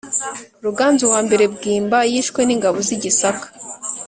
Ruganzu I Bwimba yishwe n’ingabo z’i Gisaka.